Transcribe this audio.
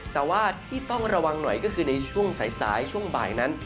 แต่ว่าที่ต้องระวังหน่อยก็คือในช่วงสายช่วงบ่ายนั้น